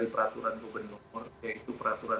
peraturan gubernur yaitu peraturan